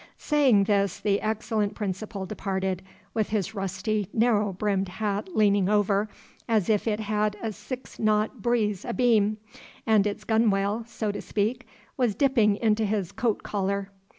Saying this, the excellent Principal departed, with his rusty narrow brimmed hat leaning over, as if it had a six knot breeze abeam, and its gunwale (so to speak) was dipping into his coat collar.